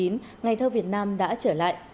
ngày thơ việt nam đã trở lại